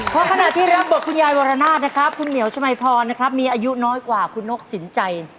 เพราะขณะที่รับบทคุณยายวรนาศนะครับคุณเหมียวชมัยพรนะครับมีอายุน้อยกว่าคุณนกสินใจ